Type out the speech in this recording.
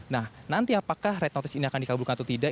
nah nanti apakah red notice ini akan dikabulkan atau tidak